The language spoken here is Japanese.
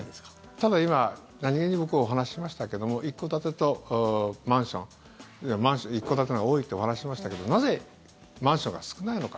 ただ今、何げに僕お話しましたけども一戸建てとマンションで一戸建てのほうが多いってお話ししましたけどなぜマンションが少ないのか。